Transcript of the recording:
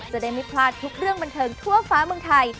จะได้ไม่พลาดทุกเรื่องบันเทิงทั่วฟ้าเมืองไทย